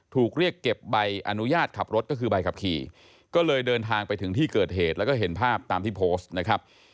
ถูกเรียกเก็บใบอนุญาตขับรถก็คือใบขับขี่ก็เลยเดินทางไปถึงที่เกิดเหตุแล้วก็เห็นภาพตามที่โพสต์นะครับ